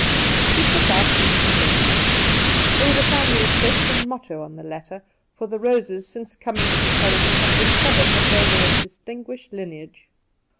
He took out ink and paper. There was a family crest and motto on the latter, for the Roses since coming to the colony had discovered that they were of distinguished lineage.